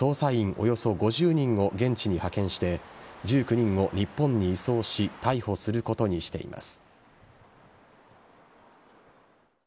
およそ５０人を現地に派遣して１９人を日本に移送し逮捕することにしています。